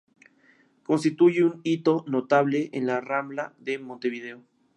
Constituye un hito notable en la Rambla de Montevideo.